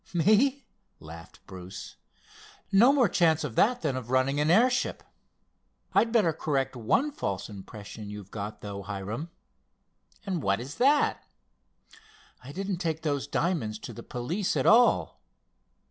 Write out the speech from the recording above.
"Me!" laughed Bruce. "No more chance of that than of running an airship. I'd better correct one false impression you've got, though, Hiram." "And what is that?" "I didn't take those diamonds to the police at all."